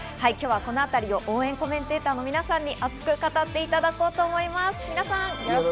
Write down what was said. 今日はこのあたりを応援コメンテーターの皆さんに熱く語っていただこうと思います。